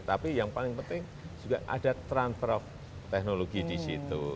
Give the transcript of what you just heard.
tapi yang paling penting juga ada transfer of technology di situ